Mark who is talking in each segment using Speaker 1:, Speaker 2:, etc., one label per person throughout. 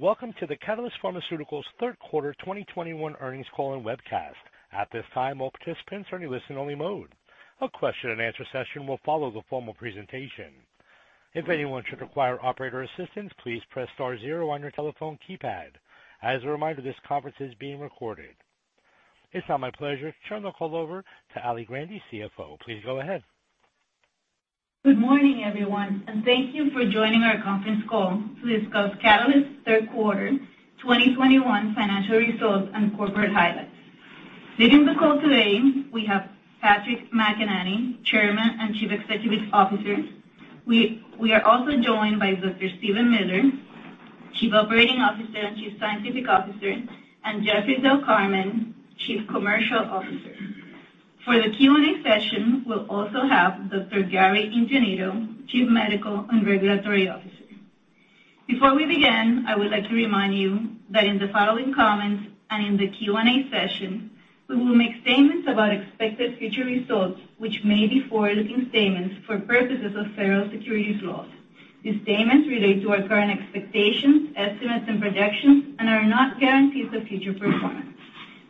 Speaker 1: Welcome to the Catalyst Pharmaceuticals Q3 2021 Earnings Call and Webcast. At this time, all participants are in a listen-only mode. A question-and-answer session will follow the formal presentation. If anyone should require operator assistance, please press star zero on your telephone keypad. As a reminder, this conference is being recorded. It's now my pleasure to turn the call over to Ali Grande, CFO. Please go ahead.
Speaker 2: Good morning, everyone, and thank you for joining our conference call to discuss Catalyst's Q3 2021 Financial Results and Corporate Highlights. Leading the call today we have Patrick McEnany, Chairman and Chief Executive Officer. We are also joined by Dr. Steven Miller, Chief Operating Officer and Chief Scientific Officer, and Jeffrey Del Carmen, Chief Commercial Officer. For the Q&A session, we'll also have Dr. Gary Ingenito, Chief Medical and Regulatory Officer. Before we begin, I would like to remind you that in the following comments and in the Q&A session, we will make statements about expected future results, which may be forward-looking statements for purposes of federal securities laws. These statements relate to our current expectations, estimates, and projections and are not guarantees of future performance.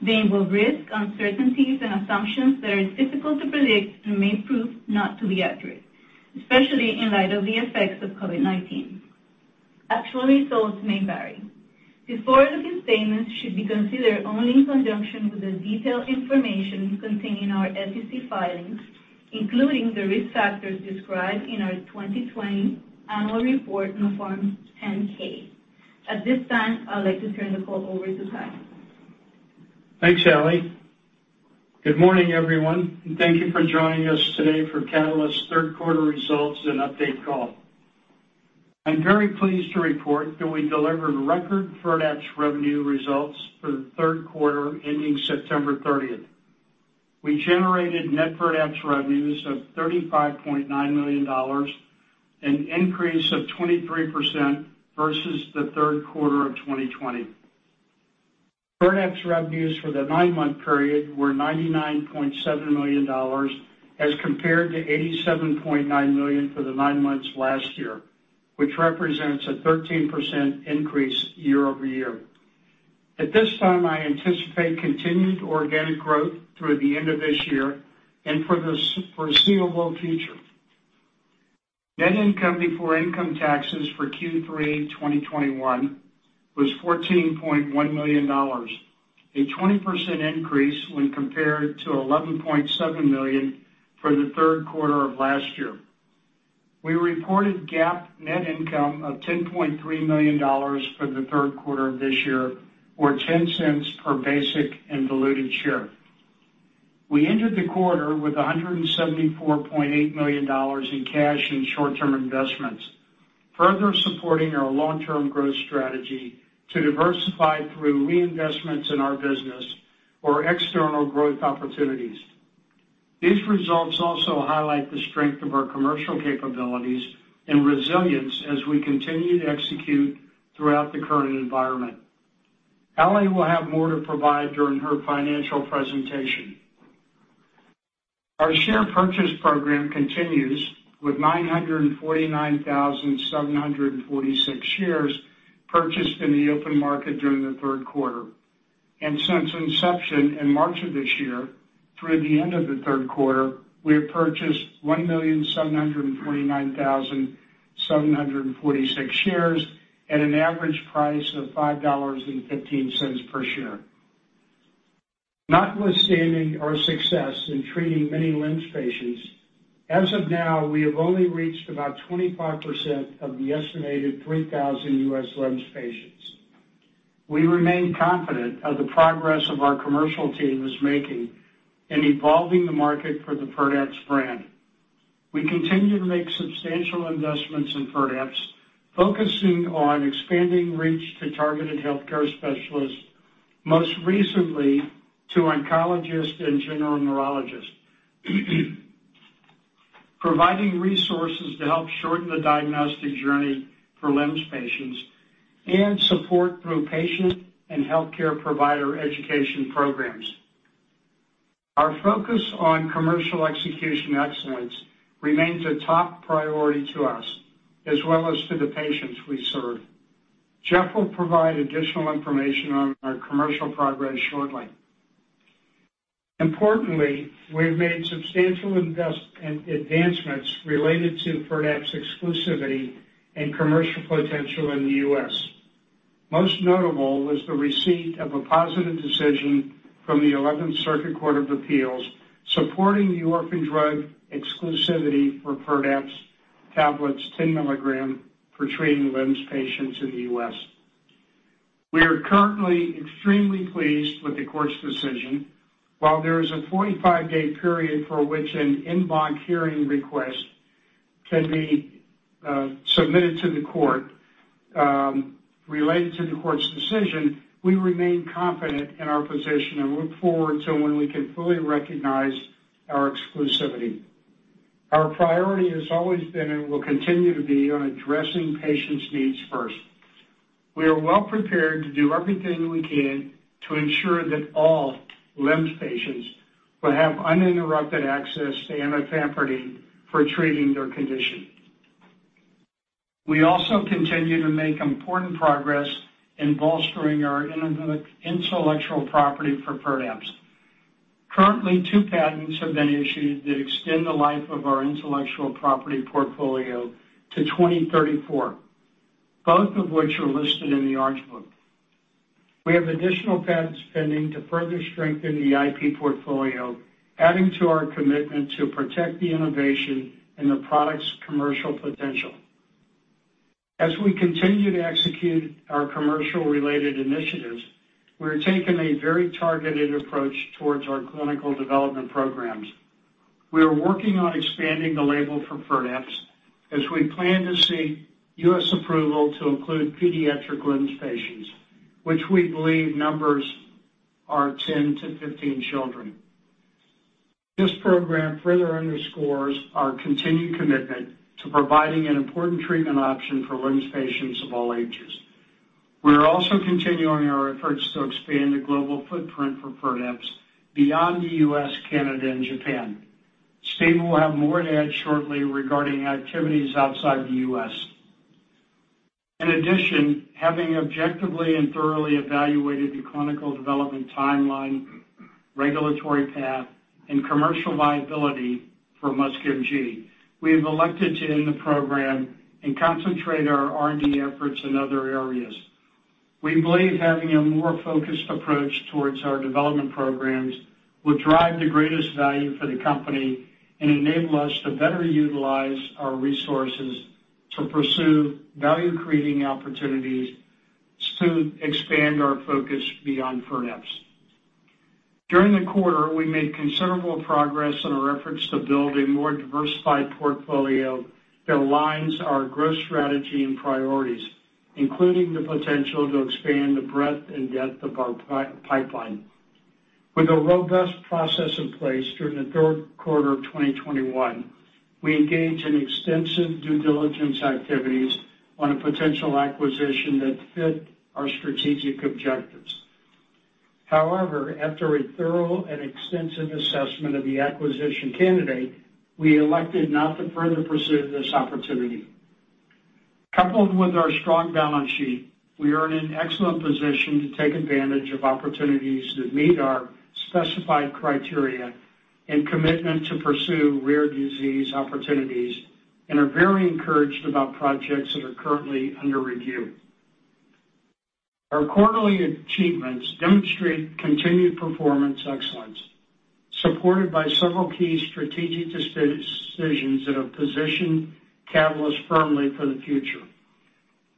Speaker 2: They involve risk, uncertainties, and assumptions that are difficult to predict and may prove not to be accurate, especially in light of the effects of COVID-19. Actual results may vary. These forward-looking statements should be considered only in conjunction with the detailed information contained in our SEC filings, including the risk factors described in our 2020 annual report on Form 10-K. At this time, I'd like to turn the call over to Pat.
Speaker 3: Thanks, Ali. Good morning, everyone, and thank you for joining us today for Catalyst's Q3 Results and Update Call. I'm very pleased to report that we delivered record FIRDAPSE revenue results for the Q3 ending September 30th. We generated net FIRDAPSE revenues of $35.9 million, an increase of 23% versus the Q3 of 2020. FIRDAPSE revenues for the 9M period were $99.7 million as compared to $87.9 million for the nine months last year, which represents a 13% increase year-over-year. At this time, I anticipate continued organic growth through the end of this year and for the foreseeable future. Net income before income taxes for Q3 2021 was $14.1 million, a 20% increase when compared to $11.7 million for the Q3 of last year. We reported GAAP net income of $10.3 million for the Q3 of this year, or $0.10 per basic and diluted share. We entered the quarter with $174.8 million in cash and short-term investments, further supporting our long-term growth strategy to diversify through reinvestments in our business or external growth opportunities. These results also highlight the strength of our commercial capabilities and resilience as we continue to execute throughout the current environment. Ali will have more to provide during her financial presentation. Our Share Purchase program continues with 949,746 shares purchased in the open market during the Q3. Since inception in March of this year through the end of the Q3, we have purchased 1,729,746 shares at an average price of $5.15 per share. Notwithstanding our success in treating many LEMS patients, as of now, we have only reached about 25% of the estimated 3,000 U.S. LEMS patients. We remain confident in the progress our commercial team is making in evolving the market for the FIRDAPSE brand. We continue to make substantial investments in FIRDAPSE, focusing on expanding reach to targeted healthcare specialists, most recently to oncologists and general neurologists, providing resources to help shorten the diagnostic journey for LEMS patients and support through Patient and Healthcare Provider Education programs. Our focus on commercial execution excellence remains a top priority to us, as well as to the patients we serve. Jeff will provide additional information on our commercial progress shortly. Importantly, we've made substantial advancements related to FIRDAPSE exclusivity and commercial potential in the U.S. Most notable was the receipt of a positive decision from the Eleventh Circuit Court of Appeals, supporting the orphan drug exclusivity for FIRDAPSE tablets 10 mg for treating LEMS patients in the U.S. We are currently extremely pleased with the court's decision. While there is a 45-day period for which an en banc hearing request can be submitted to the court related to the court's decision, we remain confident in our position and look forward to when we can fully recognize our exclusivity. Our priority has always been and will continue to be on addressing patients' needs first. We are well prepared to do everything we can to ensure that all LEMS patients will have uninterrupted access to amifampridine for treating their condition. We also continue to make important progress in bolstering our intellectual property for FIRDAPSE. Currently, two patents have been issued that extend the life of our intellectual property portfolio to 2034, both of which are listed in the Orange Book. We have additional patents pending to further strengthen the IP portfolio, adding to our commitment to protect the innovation and the product's commercial potential. As we continue to execute our commercial-related initiatives, we're taking a very targeted approach towards our Clinical Development programs. We are working on expanding the label for FIRDAPSE as we plan to seek U.S. approval to include pediatric LEMS patients, which we believe number 10-15 children. This program further underscores our continued commitment to providing an important treatment option for LEMS patients of all ages. We are also continuing our efforts to expand the global footprint for FIRDAPSE beyond the U.S., Canada, and Japan. Steve will have more to add shortly regarding activities outside the U.S. In addition, having objectively and thoroughly evaluated the clinical development timeline, regulatory path, and commercial viability for MuSK-MG, we have elected to end the program and concentrate our R&D efforts in other areas. We believe having a more focused approach towards our development programs will drive the greatest value for the company and enable us to better utilize our resources to pursue value-creating opportunities to expand our focus beyond FIRDAPSE. During the quarter, we made considerable progress in our efforts to build a more diversified portfolio that aligns our growth strategy and priorities, including the potential to expand the breadth and depth of our pipeline. With a robust process in place during the Q3 of 2021, we engaged in extensive due diligence activities on a potential acquisition that fit our strategic objectives. However, after a thorough and extensive assessment of the acquisition candidate, we elected not to further pursue this opportunity. Coupled with our strong balance sheet, we are in an excellent position to take advantage of opportunities that meet our specified criteria and commitment to pursue rare disease opportunities, and are very encouraged about projects that are currently under review. Our quarterly achievements demonstrate continued performance excellence, supported by several key strategic decisions that have positioned Catalyst firmly for the future.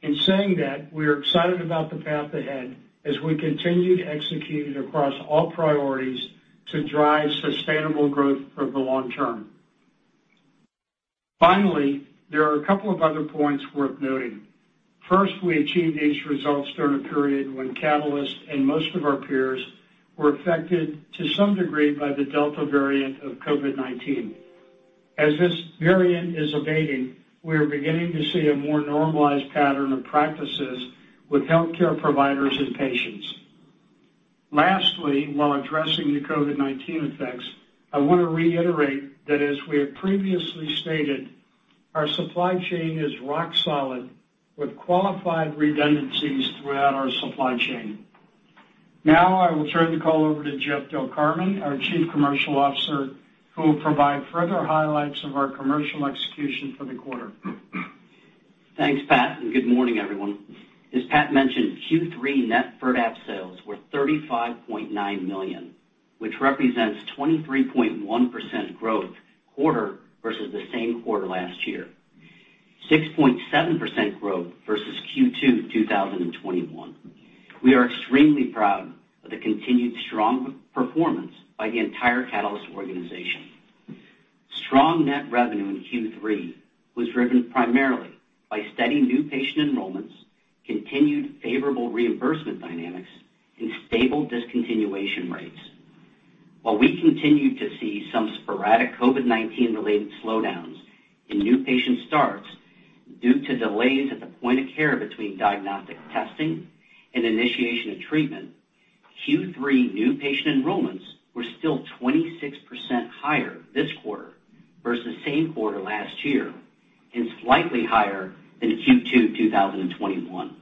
Speaker 3: In saying that, we are excited about the path ahead as we continue to execute across all priorities to drive sustainable growth over the long term. Finally, there are a couple of other points worth noting. First, we achieved these results during a period when Catalyst and most of our peers were affected to some degree by the Delta variant of COVID-19. As this variant is abating, we are beginning to see a more normalized pattern of practices with healthcare providers and patients. Lastly, while addressing the COVID-19 effects, I want to reiterate that, as we have previously stated, our supply chain is rock solid with qualified redundancies throughout our supply chain. Now, I will turn the call over to Jeff Del Carmen, our Chief Commercial Officer, who will provide further highlights of our commercial execution for the quarter.
Speaker 4: Thanks, Pat, and good morning, everyone. As Pat mentioned, Q3 net FIRDAPSE sales were $35.9 million, which represents 23.1% growth quarter versus the same quarter last year. 6.7% growth versus Q2 2021. We are extremely proud of the continued strong performance by the entire Catalyst organization. Strong net revenue in Q3 was driven primarily by steady new patient enrollments, continued favorable reimbursement dynamics, and stable discontinuation rates. While we continued to see some sporadic COVID-19-related slowdowns in new patient starts due to delays at the point of care between diagnostic testing and initiation of treatment, Q3 new patient enrollments were still 26% higher this quarter versus same quarter last year, and slightly higher than in Q2 2021.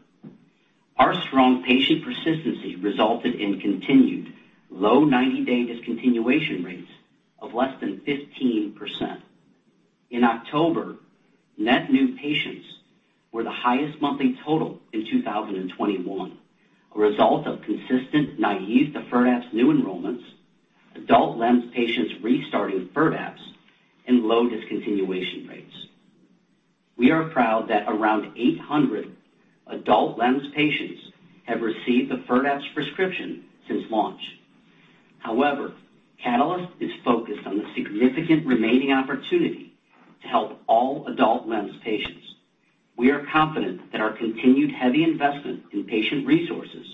Speaker 4: Our strong patient persistency resulted in continued low 90-day discontinuation rates of less than 15%. In October, net new patients were the highest monthly total in 2021, a result of consistent naive to FIRDAPSE new enrollments, adult LEMS patients restarting FIRDAPSE, and low discontinuation rates. We are proud that around 800 adult LEMS patients have received a FIRDAPSE prescription since launch. However, Catalyst is focused on the significant remaining opportunity to help all adult LEMS patients. We are confident that our continued heavy investment in patient resources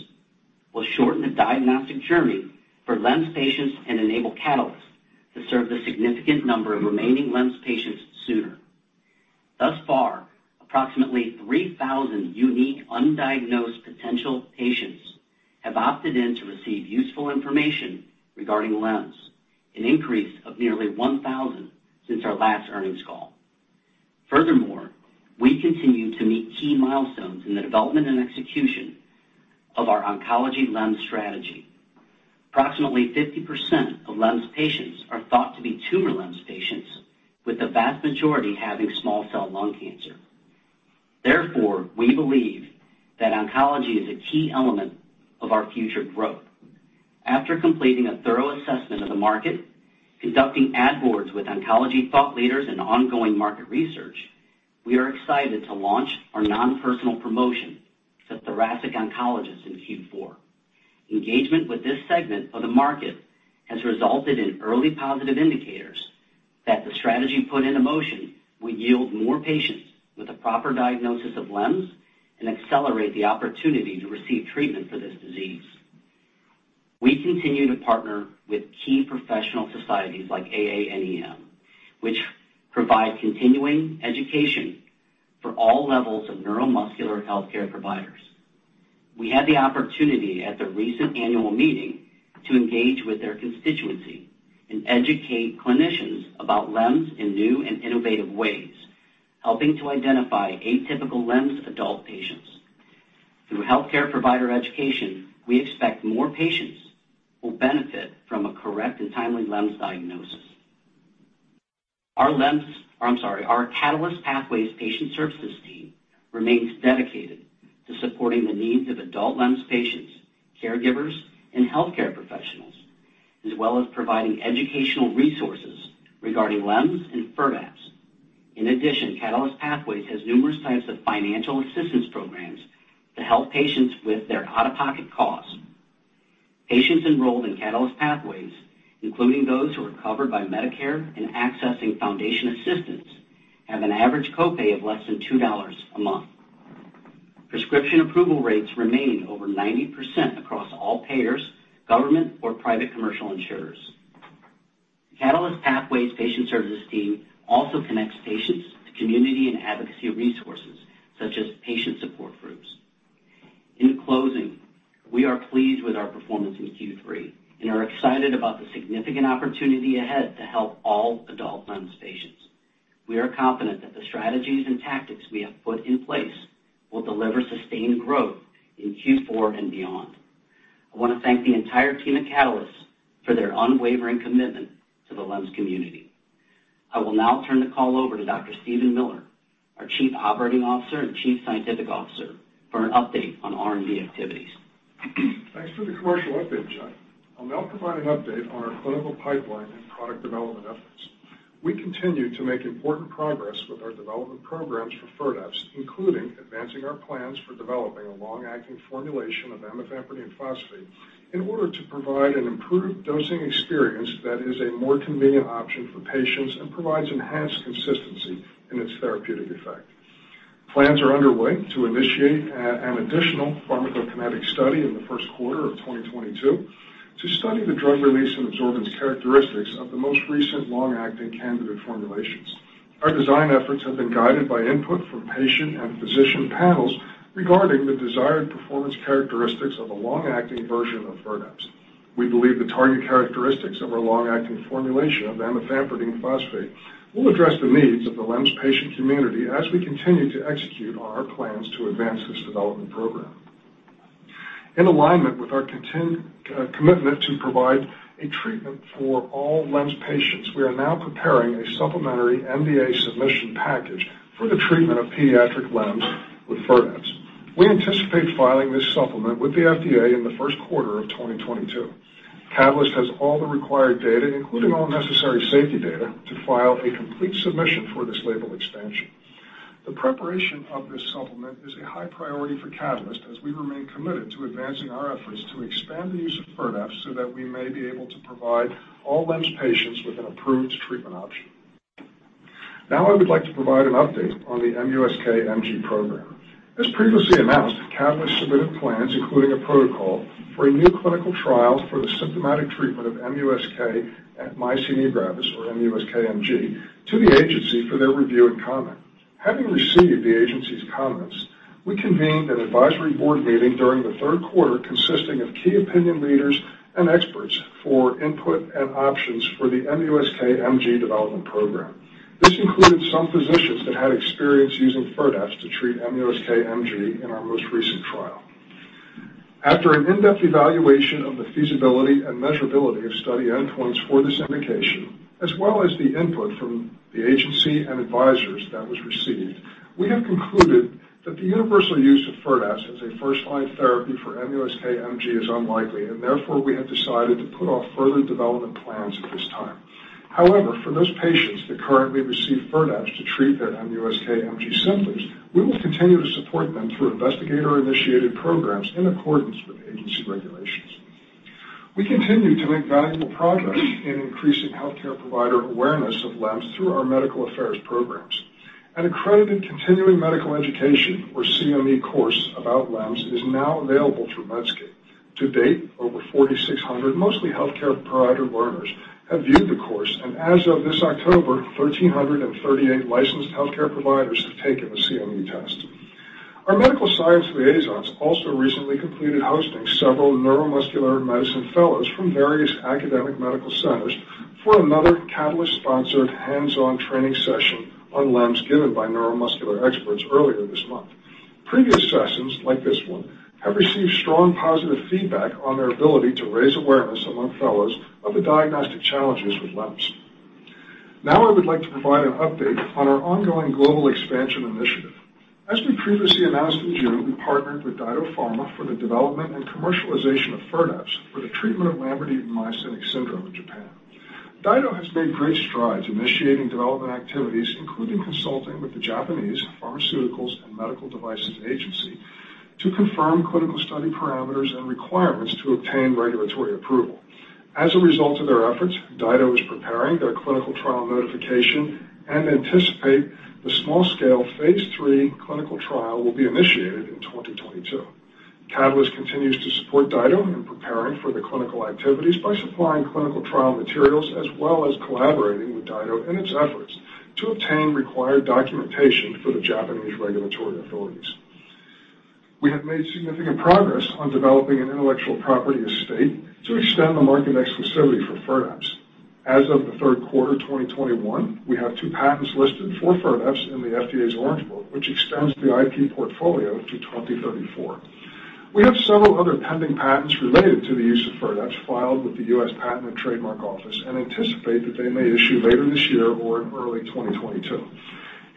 Speaker 4: will shorten the diagnostic journey for LEMS patients and enable Catalyst to serve the significant number of remaining LEMS patients sooner. Thus far, approximately 3,000 unique undiagnosed potential patients have opted in to receive useful information regarding LEMS, an increase of nearly 1,000 since our last earnings call. Furthermore, we continue to meet key milestones in the development and execution of our oncology LEMS strategy. Approximately 50% of LEMS patients are thought to be tumor-associated LEMS patients, with the vast majority having small cell lung cancer. Therefore, we believe that oncology is a key element of our future growth. After completing a thorough assessment of the market, conducting ad boards with oncology thought leaders and ongoing market research, we are excited to launch our non-personal promotion to thoracic oncologists in Q4. Engagement with this segment of the market has resulted in early positive indicators that the strategy put into motion will yield more patients with a proper diagnosis of LEMS and accelerate the opportunity to receive treatment for this disease. We continue to partner with key professional societies like AANEM, which provides continuing education for all levels of neuromuscular healthcare providers. We had the opportunity at the recent annual meeting to engage with their constituency and educate clinicians about LEMS in new and innovative ways, helping to identify atypical LEMS adult patients. Through healthcare provider education, we expect more patients will benefit from a correct and timely LEMS diagnosis. Our Catalyst Pathways patient services team remains dedicated to supporting the needs of adult LEMS patients, caregivers, and healthcare professionals, as well as providing educational resources regarding LEMS and FIRDAPSE. In addition, Catalyst Pathways has numerous types of Financial Assistance programs to help patients with their out-of-pocket costs. Patients enrolled in Catalyst Pathways, including those who are covered by Medicare and accessing foundation assistance, have an average copay of less than $2 a month. Prescription approval rates remain over 90% across all payers, government or private commercial insurers. Catalyst Pathways patient services team also connects patients to community and advocacy resources such as patient support groups. In closing, we are pleased with our performance in Q3 and are excited about the significant opportunity ahead to help all adult LEMS patients. We are confident that the strategies and tactics we have put in place will deliver sustained growth in Q4 and beyond. I want to thank the entire team at Catalyst for their unwavering commitment to the LEMS community. I will now turn the call over to Dr. Steven Miller, our Chief Operating Officer and Chief Scientific Officer, for an update on R&D activities.
Speaker 5: Thanks for the commercial update, Jeff. I'll now provide an update on our clinical pipeline and product development efforts. We continue to make important progress with our development programs for FIRDAPSE, including advancing our plans for developing a long-acting formulation of amifampridine phosphate in order to provide an improved dosing experience that is a more convenient option for patients and provides enhanced consistency in its therapeutic effect. Plans are underway to initiate an additional pharmacokinetic study in the Q1 of 2022 to study the drug release and absorbance characteristics of the most recent long-acting candidate formulations. Our design efforts have been guided by input from patient and physician panels regarding the desired performance characteristics of a long-acting version of FIRDAPSE. We believe the target characteristics of our long-acting formulation of amifampridine phosphate will address the needs of the LEMS patient community as we continue to execute on our plans to advance this development program. In alignment with our continued commitment to provide a treatment for all LEMS patients, we are now preparing a supplementary NDA submission package for the treatment of pediatric LEMS with FIRDAPSE. We anticipate filing this supplement with the FDA in the Q1 of 2022. Catalyst has all the required data, including all necessary safety data, to file a complete submission for this label expansion. The preparation of this supplement is a high priority for Catalyst as we remain committed to advancing our efforts to expand the use of FIRDAPSE so that we may be able to provide all LEMS patients with an approved treatment option. Now I would like to provide an update on the MuSK-MG program. As previously announced, Catalyst submitted plans, including a protocol for a new clinical trial for the symptomatic treatment of MuSK myasthenia gravis or MuSK-MG, to the agency for their review and comment. Having received the agency's comments, we convened an advisory board meeting during the Q3 consisting of key opinion leaders and experts for input and options for the MuSK-MG development program. This included some physicians that had experience using FIRDAPSE to treat MuSK-MG in our most recent trial. After an in-depth evaluation of the feasibility and measurability of study endpoints for this indication, as well as the input from the agency and advisors that was received, we have concluded that the universal use of FIRDAPSE as a first-line therapy for MuSK-MG is unlikely. Therefore, we have decided to put off further development plans at this time. However, for those patients that currently receive FIRDAPSE to treat their MuSK-MG symptoms, we will continue to support them through investigator-initiated programs in accordance with agency regulations. We continue to make valuable progress in increasing healthcare provider awareness of LEMS through our medical affairs programs. An accredited Continuing Medical Education or CME course about LEMS is now available through Medscape. To date, over 4,600, mostly healthcare provider learners have viewed the course. As of this October, 1,338 licensed healthcare providers have taken the CME test. Our medical science liaisons also recently completed hosting several neuromuscular medicine fellows from various academic medical centers for another Catalyst-sponsored hands-on training session on LEMS given by neuromuscular experts earlier this month. Previous sessions like this one have received strong positive feedback on their ability to raise awareness among fellows of the diagnostic challenges with LEMS. Now I would like to provide an update on our ongoing global expansion initiative. As we previously announced in June, we partnered with DyDo Pharma for the development and commercialization of FIRDAPSE for the treatment of Lambert-Eaton myasthenic syndrome in Japan. DyDo has made great strides initiating development activities, including consulting with the Pharmaceuticals and Medical Devices Agency to confirm clinical study parameters and requirements to obtain regulatory approval. As a result of their efforts, DyDo is preparing their clinical trial notification and anticipate the small scale phase III clinical trial will be initiated in 2022. Catalyst continues to support DyDo Pharma in preparing for the clinical activities by supplying clinical trial materials as well as collaborating with DyDo Pharma in its efforts to obtain required documentation for the Japanese regulatory authorities. We have made significant progress on developing an intellectual property estate to extend the market exclusivity for FIRDAPSE. As of the Q3 2021, we have two patents listed for FIRDAPSE in the FDA's Orange Book, which extends the IP portfolio to 2034. We have several other pending patents related to the use of FIRDAPSE filed with the US Patent and Trademark Office, and anticipate that they may issue later this year or in early 2022.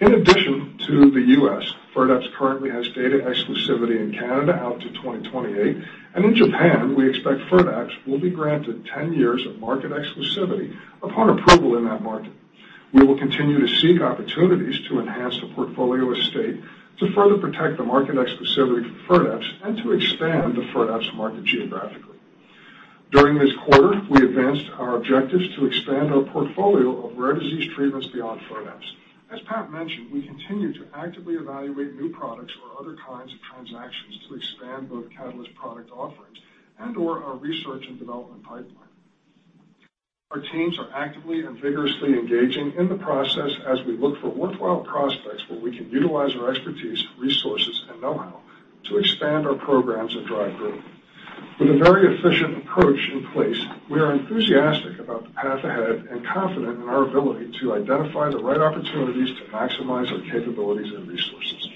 Speaker 5: In addition to the U.S., FIRDAPSE currently has data exclusivity in Canada out to 2028. In Japan, we expect FIRDAPSE will be granted 10 years of market exclusivity upon approval in that market. We will continue to seek opportunities to enhance the portfolio estate to further protect the market exclusivity for FIRDAPSE and to expand the FIRDAPSE market geographically. During this quarter, we advanced our objectives to expand our portfolio of rare disease treatments beyond FIRDAPSE. As Pat mentioned, we continue to actively evaluate new products or other kinds of transactions to expand both Catalyst product offerings and/or our research and development pipeline. Our teams are actively and vigorously engaging in the process as we look for worthwhile prospects where we can utilize our expertise, resources, and know-how to expand our programs and drive growth. With a very efficient approach in place, we are enthusiastic about the path ahead and confident in our ability to identify the right opportunities to maximize our capabilities and resources.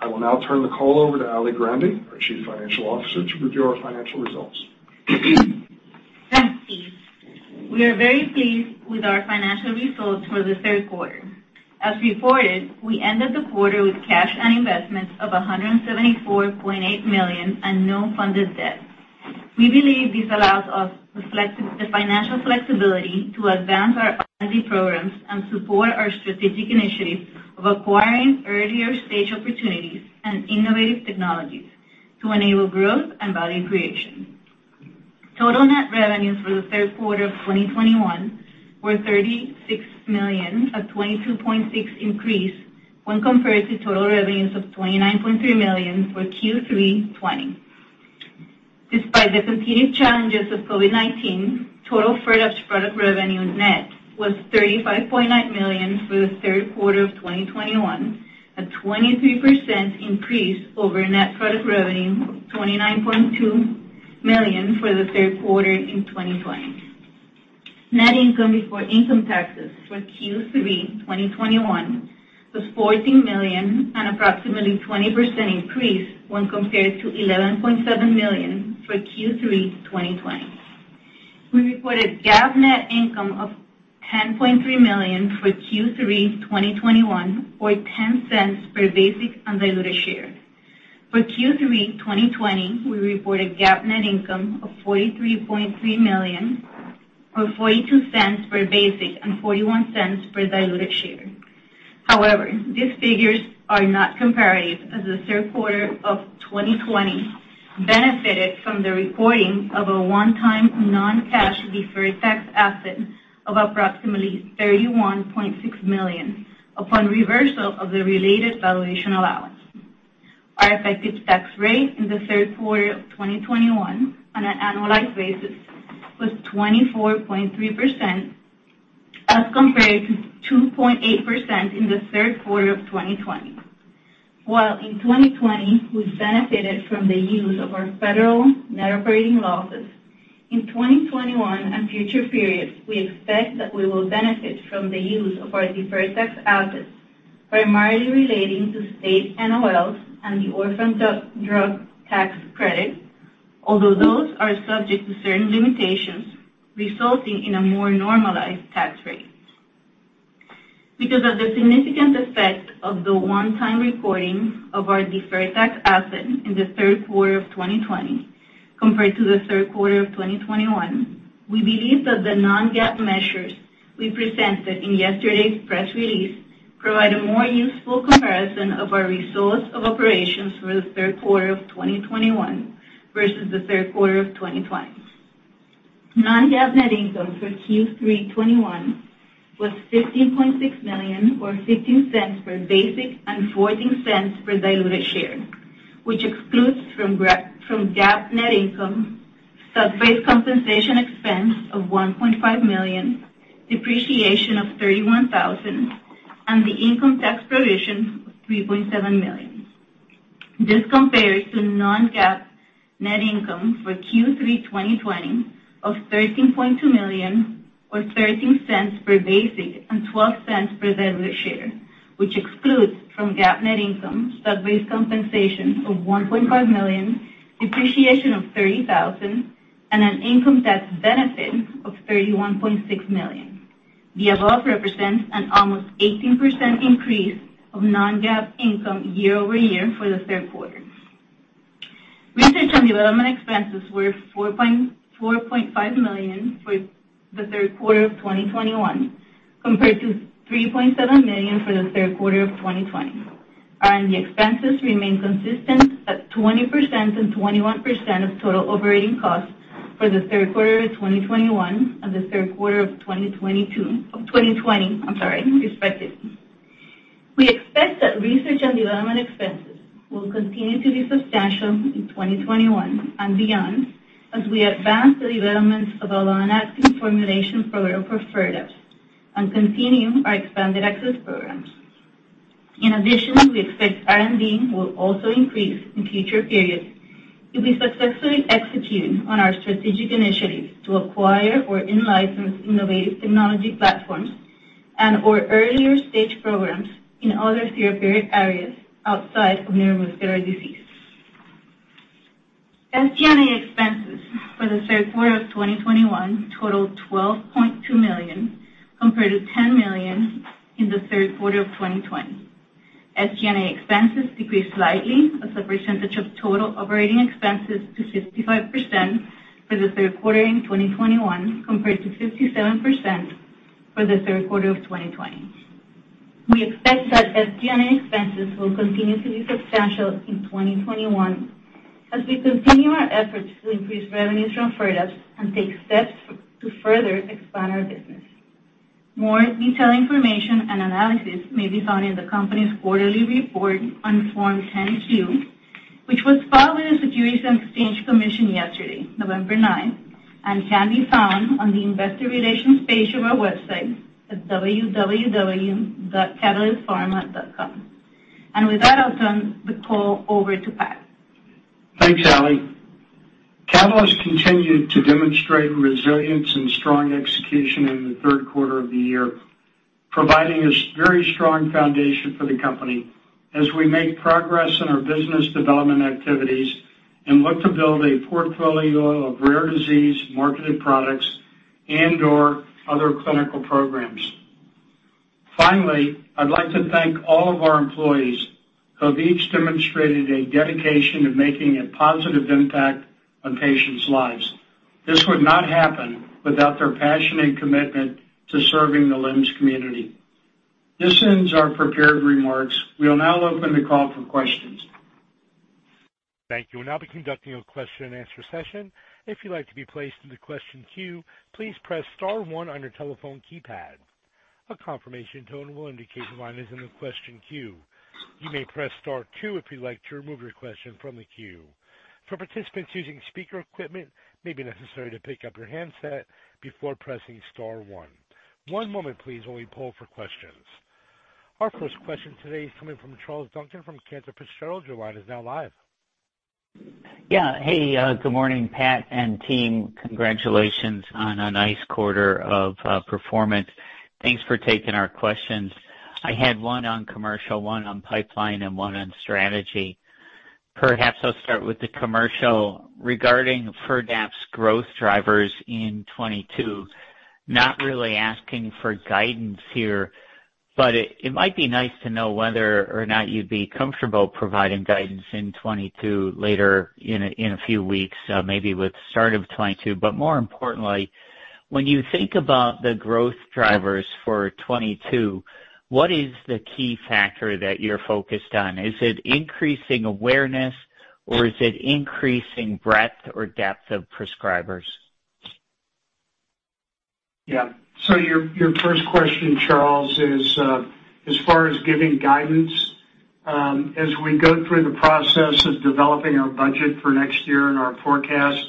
Speaker 5: I will now turn the call over to Ali Grande, our Chief Financial Officer, to review our financial results.
Speaker 2: Thanks, Steve. We are very pleased with our financial results for the Q3. As reported, we ended the quarter with cash and investments of $174.8 million and no funded debt. We believe this allows us the financial flexibility to advance our R&D programs and support our strategic initiatives of acquiring earlier-stage opportunities and innovative technologies to enable growth and value creation. Total net revenues for the Q3 of 2021 were $36 million, a 22.6% increase when compared to total revenues of $29.3 million for Q3 2020. Despite the continued challenges of COVID-19, total FIRDAPSE product revenue net was $35.9 million for the Q3 of 2021, a 23% increase over net product revenue of $29.2 million for the Q3 in 2020. Net income before income taxes for Q3 2021 was $14 million, an approximately 20% increase when compared to $11.7 million for Q3 2020. We reported GAAP net income of $10.3 million for Q3 2021 or $0.10 per basic and diluted share. For Q3 2020, we reported GAAP net income of $43.3 million, or $0.42 per basic and $0.41 per diluted share. However, these figures are not comparative as the Q3 of 2020 benefited from the reporting of a one-time non-cash deferred tax asset of approximately $31.6 million upon reversal of the related valuation allowance. Our effective tax rate in the Q3 of 2021 on an annualized basis was 24.3% as compared to 2.8% in the Q3 of 2020. While in 2020 we benefited from the use of our federal net operating losses, in 2021 and future periods, we expect that we will benefit from the use of our deferred tax assets primarily relating to state NOLs and the Orphan Drug Tax Credit, although those are subject to certain limitations resulting in a more normalized tax rate. Because of the significant effect of the one-time reporting of our deferred tax asset in the Q3 of 2020 compared to the Q3 of 2021, we believe that the non-GAAP measures we presented in yesterday's press release provide a more useful comparison of our results of operations for the Q3 of 2021 versus the Q3 of 2020. Non-GAAP net income for Q3 2021 was $15.6 million or $0.15 per basic and $0.14 per diluted share, which excludes from GAAP net income stock-based compensation expense of $1.5 million, depreciation of $31,000, and the income tax provision of $3.7 million. This compares to non-GAAP net income for Q3 2020 of $13.2 million, or $0.13 per basic and $0.12 per diluted share, which excludes from GAAP net income stock-based compensation of $1.5 million, depreciation of $30,000 and an income tax benefit of $31.6 million. The above represents an almost 18% increase of non-GAAP income year-over-year for the Q3. Research and Development expenses were $4.5 million for the Q3 of 2021, compared to $3.7 million for the Q3 of 2020. R&D expenses remain consistent at 20% and 21% of total operating costs for the Q3 of 2021 and the Q3 of 2020, respectively. We expect that research and development expenses will continue to be substantial in 2021 and beyond as we advance the development of our long-acting formulation program for FIRDAPSE and continue our Expanded Access programs. In addition, we expect R&D will also increase in future periods if we successfully execute on our strategic initiatives to acquire or in-license innovative technology platforms and/or earlier stage programs in other therapeutic areas outside of neuromuscular disease. SG&A expenses for the Q3 of 2021 totaled $12.2 million, compared to $10 million in the Q3 of 2020. SG&A expenses decreased slightly as a percentage of total operating expenses to 65% for the Q3 in 2021, compared to 57% for the Q3 of 2020. We expect that SG&A expenses will continue to be substantial in 2021 as we continue our efforts to increase revenues from FIRDAPSE and take steps to further expand our business. More detailed information and analysis may be found in the company's quarterly report on Form 10-Q, which was filed with the Securities and Exchange Commission yesterday, November 9th, and can be found on the Investor Relations page of our website at www.catalystpharma.com. With that, I'll turn the call over to Pat.
Speaker 3: Thanks, Ali. Catalyst continued to demonstrate resilience and strong execution in the Q3 of the year, providing a very strong foundation for the company as we make progress in our business development activities and look to build a portfolio of rare disease marketed products and/or other clinical programs. Finally, I'd like to thank all of our employees who have each demonstrated a dedication to making a positive impact on patients' lives. This would not happen without their passion and commitment to serving the LEMS community. This ends our prepared remarks. We will now open the call for questions.
Speaker 1: Thank you. We'll now be conducting a question-and-answer session. If you'd like to be placed in the question queue, please press star one on your telephone keypad. A confirmation tone will indicate your line is in the question queue. You may press star two if you'd like to remove your question from the queue. For participants using speaker equipment, it may be necessary to pick up your handset before pressing star one. One moment please while we poll for questions. Our first question today is coming from Charles Duncan from Cantor Fitzgerald. Your line is now live.
Speaker 6: Hey, good morning, Pat and team. Congratulations on a nice quarter of performance. Thanks for taking our questions. I had one on commercial, one on pipeline, and one on strategy. Perhaps I'll start with the commercial. Regarding FIRDAPSE growth drivers in 2022, not really asking for guidance here, but it might be nice to know whether or not you'd be comfortable providing guidance in 2022 later in a few weeks, maybe with start of 2022. More importantly, when you think about the growth drivers for 2022, what is the key factor that you're focused on? Is it increasing awareness or is it increasing breadth or depth of prescribers?
Speaker 3: Yeah. Your first question, Charles, is as far as giving guidance, as we go through the process of developing our budget for next year and our forecast,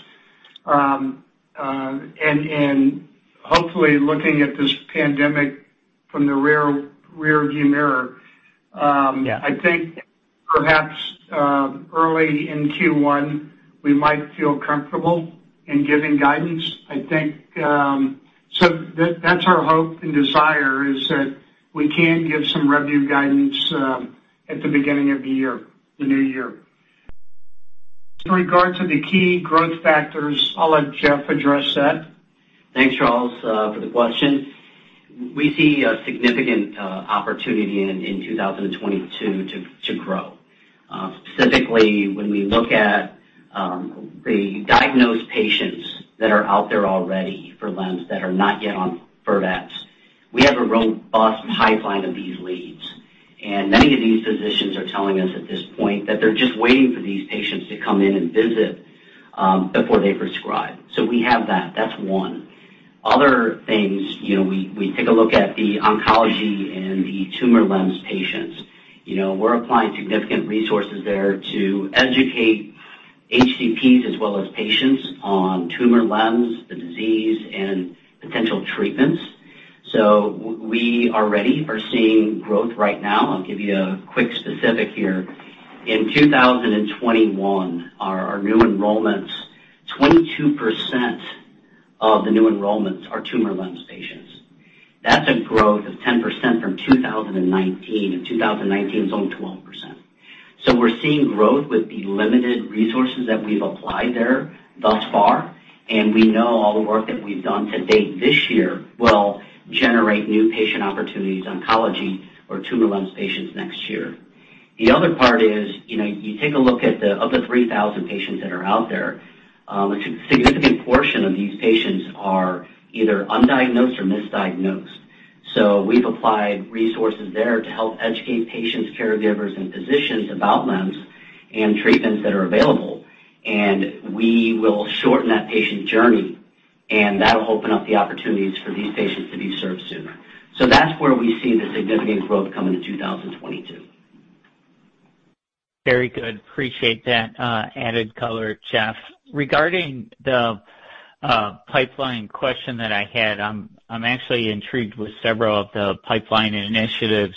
Speaker 3: and hopefully looking at this pandemic from the rear view mirror.
Speaker 6: Yeah.
Speaker 3: I think perhaps early in Q1 we might feel comfortable in giving guidance. I think so that's our hope and desire is that we can give some revenue guidance at the beginning of the year, the new year. With regard to the key growth factors, I'll let Jeff address that.
Speaker 4: Thanks, Charles, for the question. We see a significant opportunity in 2022 to grow. Specifically when we look at the diagnosed patients that are out there already for LEMS that are not yet on FIRDAPSE, we have a robust pipeline of these leads. Many of these physicians are telling us at this point that they're just waiting for these patients to come in and visit before they prescribe. We have that. That's one. Other things, we take a look at the oncology and the tumor-associated LEMS patients. We're applying significant resources there to educate HCPs as well as patients on tumor-associated LEMS, the disease, and potential treatments. We are ready. We're seeing growth right now. I'll give you a quick specific here. In 2021, our new enrollments, 22% of the new enrollments are tumor-associated LEMS patients. That's a growth of 10% from 2019. In 2019, it was only 12%. We're seeing growth with the limited resources that we've applied there thus far, and we know all the work that we've done to date this year will generate new patient opportunities, oncology or tumor-associated LEMS patients next year. The other part is, you know, you take a look at the number of the 3,000 patients that are out there, a significant portion of these patients are either undiagnosed or misdiagnosed. We've applied resources there to help educate patients, caregivers, and physicians about LEMS and treatments that are available. We will shorten that patient journey, and that'll open up the opportunities for these patients to be served sooner. That's where we see the significant growth coming in 2022.
Speaker 6: Very good. Appreciate that added color, Jeff. Regarding the pipeline question that I had, I'm actually intrigued with several of the pipeline initiatives.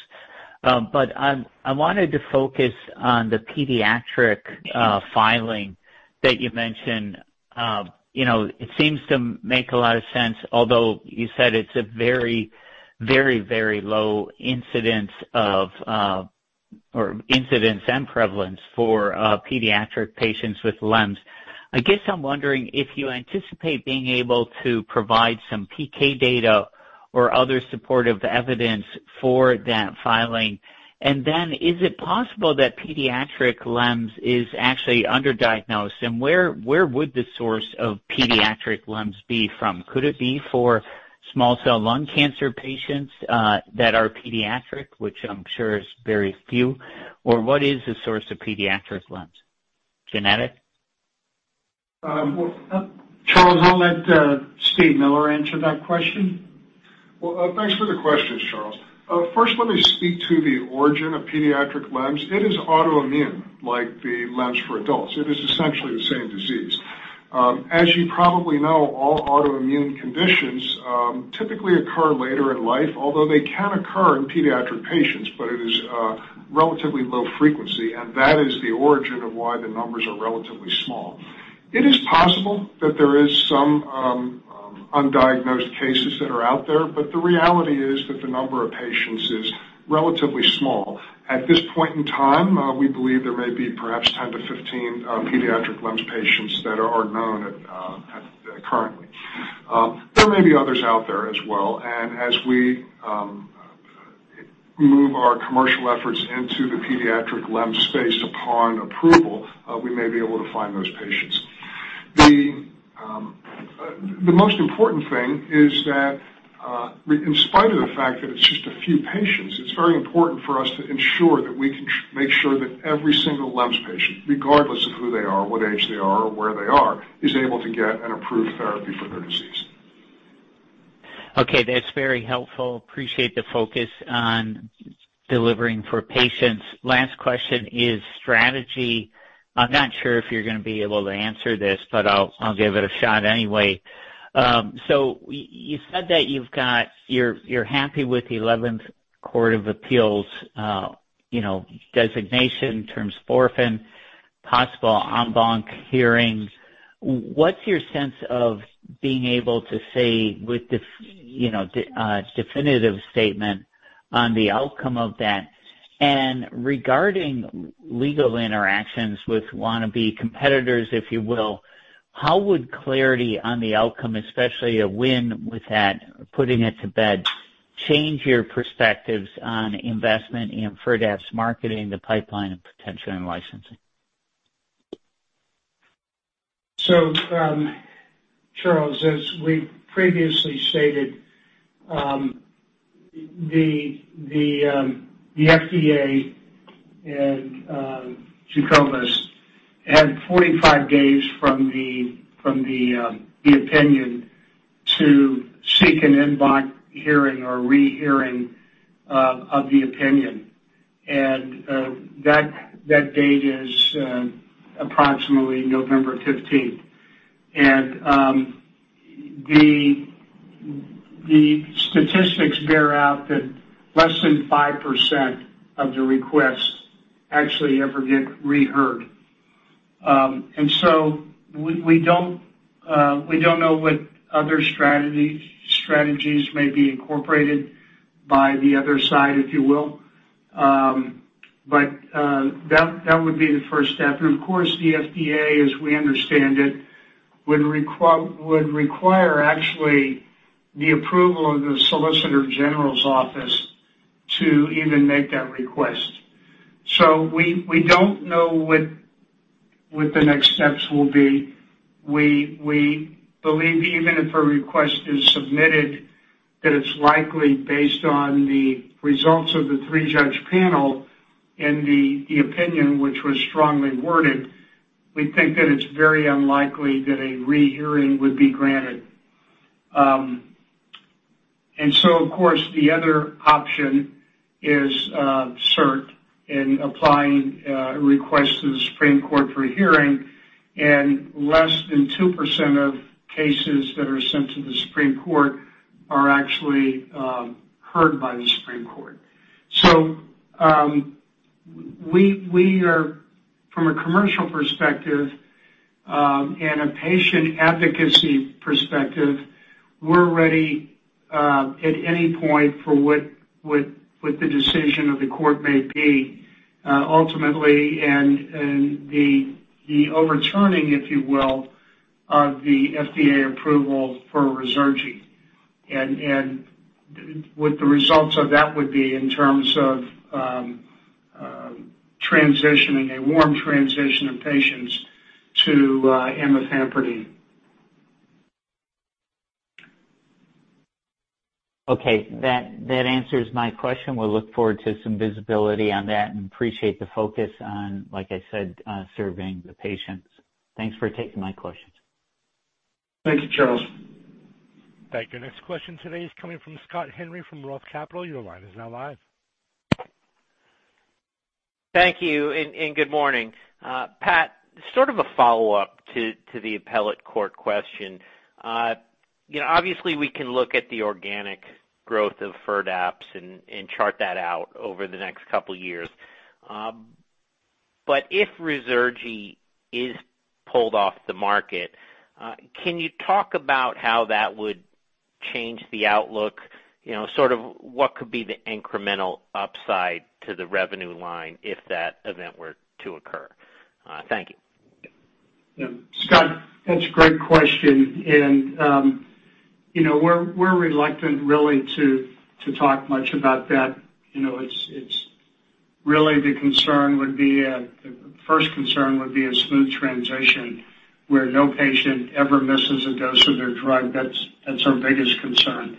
Speaker 6: But I wanted to focus on the pediatric filing that you mentioned. You know, it seems to make a lot of sense, although you said it's a very low incidence or incidence and prevalence for pediatric patients with LEMS. I guess I'm wondering if you anticipate being able to provide some PK data or other supportive evidence for that filing. Is it possible that pediatric LEMS is actually underdiagnosed, and where would the source of pediatric LEMS be from? Could it be for small cell lung cancer patients that are pediatric, which I'm sure is very few? Or what is the source of pediatric LEMS? Genetic?
Speaker 3: Charles, I'll let Steven Miller answer that question.
Speaker 5: Well, thanks for the question, Charles. First, let me speak to the origin of pediatric LEMS. It is autoimmune, like the LEMS for adults. It is essentially the same disease. As you probably know, all autoimmune conditions typically occur later in life, although they can occur in pediatric patients. It is relatively low frequency, and that is the origin of why the numbers are relatively small. It is possible that there is some undiagnosed cases that are out there, but the reality is that the number of patients is relatively small. At this point in time, we believe there may be perhaps 10-15 pediatric LEMS patients that are known currently. There may be others out there as well, and as we move our commercial efforts into the pediatric LEMS space upon approval, we may be able to find those patients. The most important thing is that, in spite of the fact that it's just a few patients, it's very important for us to ensure that we can make sure that every single LEMS patient, regardless of who they are, what age they are, or where they are, is able to get an approved therapy for their disease.
Speaker 6: Okay, that's very helpful. Appreciate the focus on delivering for patients. Last question is strategy. I'm not sure if you're gonna be able to answer this, but I'll give it a shot anyway. So you said you're happy with the Eleventh Circuit Court of Appeals designation terms for it and possible en banc hearings. What's your sense of being able to say with definitive statement on the outcome of that? And regarding legal interactions with wannabe competitors, if you will, how would clarity on the outcome, especially a win with that, putting it to bed, change your perspectives on investment in FIRDAPSE marketing, the pipeline, and potential in licensing?
Speaker 3: Charles, as we previously stated, the FDA and Jacobus had 45 days from the opinion to seek an en banc hearing or rehearing of the opinion. That date is approximately November 15th. The statistics bear out that less than 5% of the requests actually ever get reheard. We don't know what other strategies may be incorporated by the other side, if you will. That would be the first step. Of course, the FDA, as we understand it, would require the approval of the Solicitor General's office to even make that request. We don't know what the next steps will be. We believe even if a request is submitted, that it's likely based on the results of the three-judge panel and the opinion which was strongly worded, we think that it's very unlikely that a rehearing would be granted. Of course, the other option is cert in applying a request to the Supreme Court for a hearing, and less than 2% of cases that are sent to the Supreme Court are actually heard by the Supreme Court. We are from a commercial perspective and a patient advocacy perspective, we're ready at any point for what the decision of the court may be ultimately, and the overturning, if you will, of the FDA approval for Ruzurgi. What the results of that would be in terms of transitioning a warm transition of patients to amifampridine.
Speaker 6: Okay. That answers my question. We'll look forward to some visibility on that and appreciate the focus on, like I said, on serving the patients. Thanks for taking my questions.
Speaker 3: Thank you, Charles.
Speaker 2: Thank you. Next question today is coming from Scott Henry from Roth Capital. Your line is now live.
Speaker 7: Thank you and good morning. Pat, sort of a follow-up to the appellate court question. You know, obviously, we can look at the organic growth of FIRDAPSE and chart that out over the next couple years. If Ruzurgi is pulled off the market, can you talk about how that would change the outlook? You know, sort of what could be the incremental upside to the revenue line if that event were to occur? Thank you.
Speaker 3: Yeah. Scott, that's a great question and, you know, we're reluctant really to talk much about that. You know, it's really the first concern would be a smooth transition where no patient ever misses a dose of their drug. That's our biggest concern,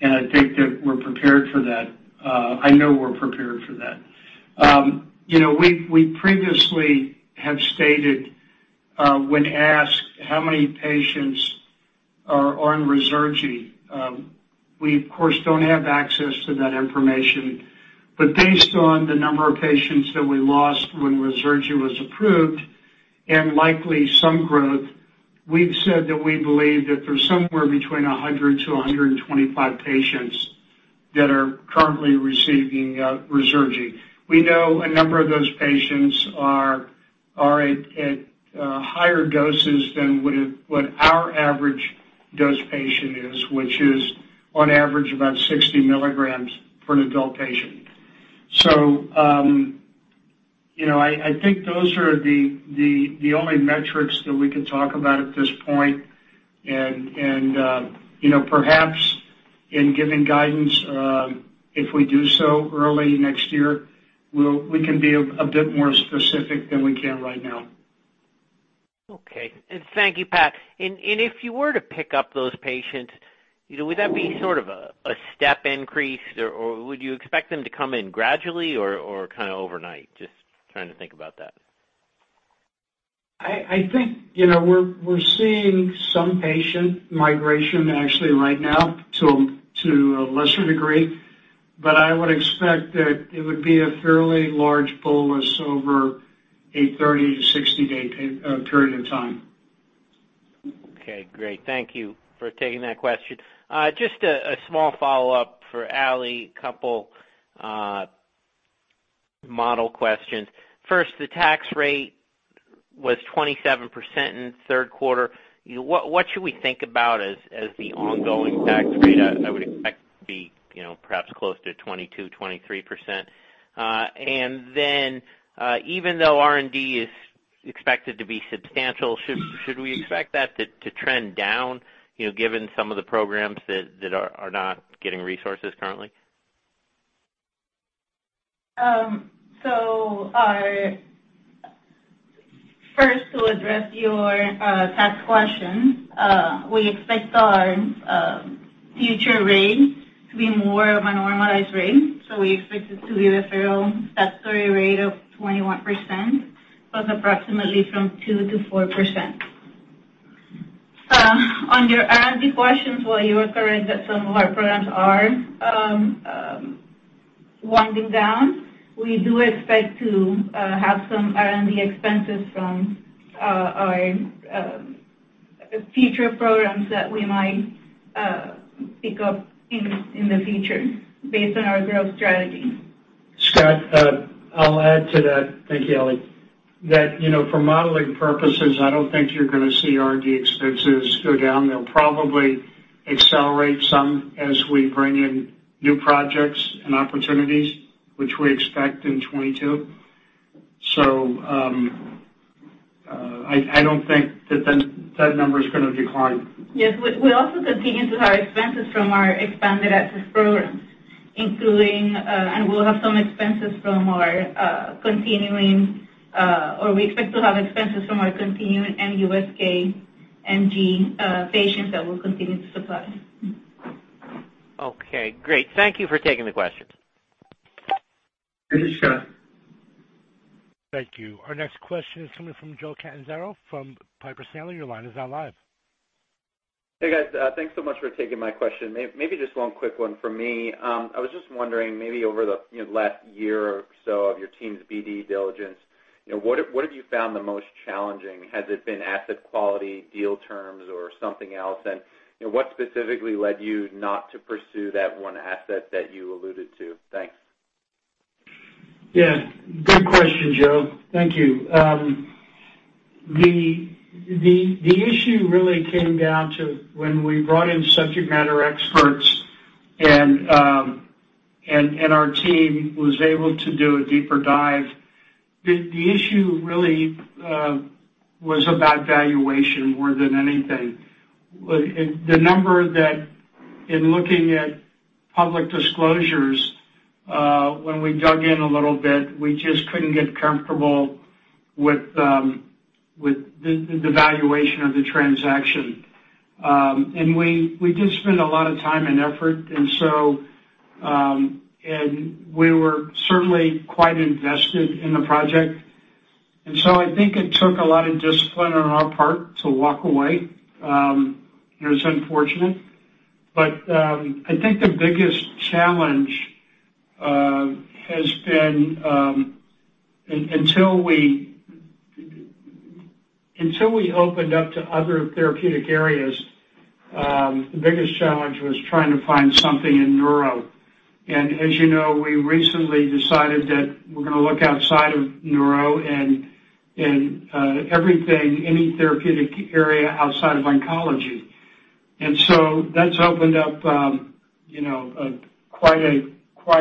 Speaker 3: and I think that we're prepared for that. I know we're prepared for that. You know, we previously have stated, when asked how many patients are on Ruzurgi. We of course, don't have access to that information, but based on the number of patients that we lost when Ruzurgi was approved and likely some growth, we've said that we believe that there's somewhere between 100-125 patients that are currently receiving Ruzurgi. We know a number of those patients are at higher doses than what our average dose patient is, which is on average about 60 milligrams for an adult patient. You know, I think those are the only metrics that we could talk about at this point. You know, perhaps in giving guidance, if we do so early next year, we can be a bit more specific than we can right now.
Speaker 7: Okay. Thank you, Pat. If you were to pick up those patients, you know, would that be sort of a step increase or would you expect them to come in gradually or kinda overnight? Just trying to think about that.
Speaker 3: I think, you know, we're seeing some patient migration actually right now to a lesser degree, but I would expect that it would be a fairly large pull list over a 30- to 60-day period of time.
Speaker 7: Okay, great. Thank you for taking that question. Just a small follow-up for Ali, a couple of model questions. First, the tax rate was 27% in the Q3. What should we think about as the ongoing tax rate? I would expect to be, you know, perhaps close to 22%-23%. Then, even though R&D is expected to be substantial, should we expect that to trend down, you know, given some of the programs that are not getting resources currently?
Speaker 2: First, to address your tax question, we expect our future rate to be more of a normalized rate, so we expect it to be the federal statutory rate of 21%, plus approximately 2%-4%. On your R&D questions, well, you are correct that some of our programs are winding down. We do expect to have some R&D expenses from our future programs that we might pick up in the future based on our growth strategy.
Speaker 3: Scott, I'll add to that. Thank you, Ali. That, you know, for modeling purposes, I don't think you're gonna see R&D expenses go down. They'll probably accelerate some as we bring in new projects and opportunities which we expect in 2022. I don't think that number is gonna decline.
Speaker 2: Yes. We also continue with our expenses from our Expanded Access programs, including... And we'll have some expenses from our continuing... We expect to have expenses from our continuing MuSK-MG patients that we'll continue to supply.
Speaker 7: Okay, great. Thank you for taking the questions.
Speaker 3: Thank you, Scott.
Speaker 1: Thank you. Our next question is coming from Joe Catanzaro from Piper Sandler. Your line is now live.
Speaker 8: Hey, guys. Thanks so much for taking my question. Maybe just one quick one from me. I was just wondering, maybe over the, you know, last year or so of your team's BD diligence, you know, what have you found the most challenging? Has it been asset quality, deal terms or something else? You know, what specifically led you not to pursue that one asset that you alluded to? Thanks.
Speaker 3: Yeah. Good question, Joe. Thank you. The issue really came down to when we brought in subject matter experts and our team was able to do a deeper dive. The issue really was about valuation more than anything. The number that, in looking at public disclosures, when we dug in a little bit, we just couldn't get comfortable with the valuation of the transaction. We did spend a lot of time and effort, and so we were certainly quite invested in the project. I think it took a lot of discipline on our part to walk away. It was unfortunate. I think the biggest challenge has been until we opened up to other therapeutic areas. The biggest challenge was trying to find something in neuro. As you know, we recently decided that we're gonna look outside of neuro and any therapeutic area outside of oncology. That's opened up, you know, quite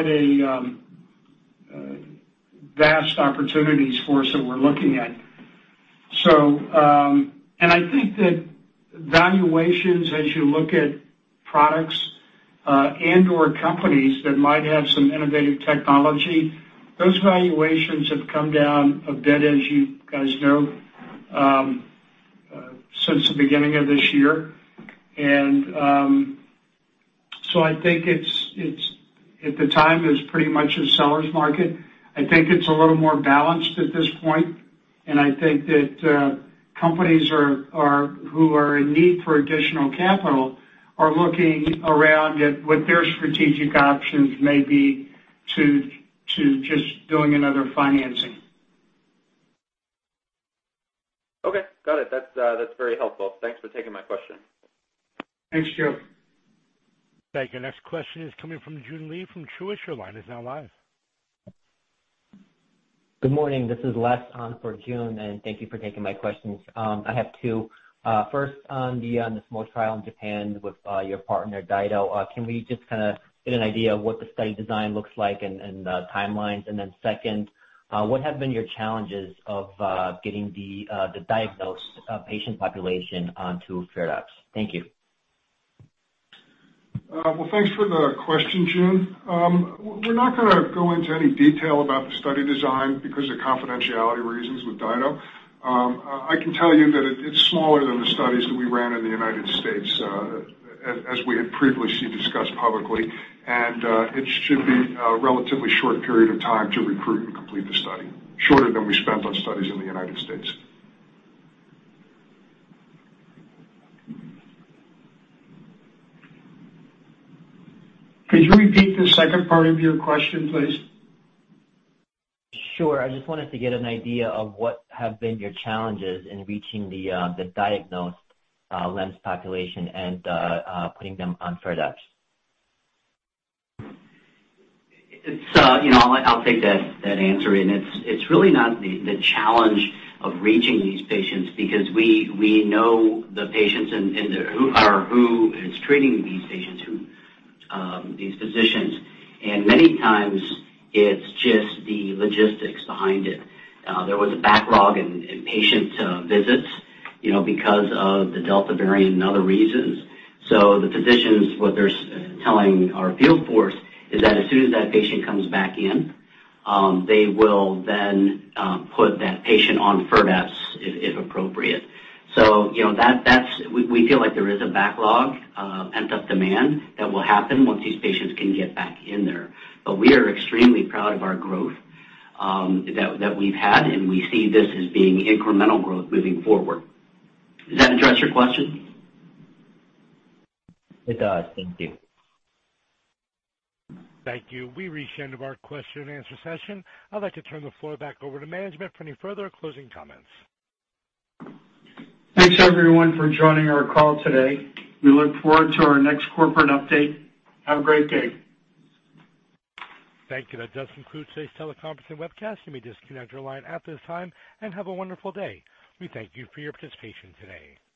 Speaker 3: a vast opportunities for us that we're looking at. I think that valuations as you look at products and/or companies that might have some innovative technology, those valuations have come down a bit, as you guys know, since the beginning of this year. I think at the time it was pretty much a seller's market. I think it's a little more balanced at this point, and I think that companies who are in need for additional capital are looking around at what their strategic options may be to just doing another financing.
Speaker 8: Okay. Got it. That's very helpful. Thanks for taking my question.
Speaker 3: Thanks, Joe.
Speaker 1: Thank you. Next question is coming from Joon Lee from Truist. Your line is now live.
Speaker 9: Good morning. This is Les on for Joon, and thank you for taking my questions. I have two. First on the small trial in Japan with your partner, DyDo. Can we just kinda get an idea of what the study design looks like and timelines? Then second, what have been your challenges of getting the diagnosed patient population onto FIRDAPSE? Thank you.
Speaker 5: Well, thanks for the question, Joon. We're not gonna go into any detail about the study design because of confidentiality reasons with DyDo. I can tell you that it's smaller than the studies that we ran in the United States, as we had previously discussed publicly. It should be a relatively short period of time to recruit and complete the study, shorter than we spent on studies in the United States.
Speaker 3: Could you repeat the second part of your question, please?
Speaker 9: Sure. I just wanted to get an idea of what have been your challenges in reaching the diagnosed LEMS population and putting them on FIRDAPSE?
Speaker 4: I'll take that answer. It's really not the challenge of reaching these patients because we know the patients and who is treating these patients, these physicians. Many times it's just the logistics behind it. There was a backlog in patient visits, you know, because of the Delta variant and other reasons. The physicians, what they're telling our field force is that as soon as that patient comes back in, they will then put that patient on FIRDAPSE if appropriate. You know, that's. We feel like there is a backlog of pent-up demand that will happen once these patients can get back in there. We are extremely proud of our growth, that we've had, and we see this as being incremental growth moving forward. Does that address your question?
Speaker 9: It does. Thank you.
Speaker 1: Thank you. We've reached the end of our question and answer session. I'd like to turn the floor back over to Management for any further closing comments.
Speaker 3: Thanks everyone for joining our call today. We look forward to our next corporate update. Have a great day.
Speaker 1: Thank you. That does conclude today's teleconference and webcast. You may disconnect your line at this time and have a wonderful day. We thank you for your participation today.